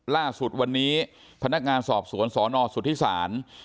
ล่าสุดวันนี้พนักงานสอบสวนสอนอร์สถิสาร